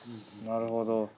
なるほど。